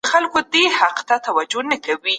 استازي پر ملي بوديجه ګرم بحثونه کوي.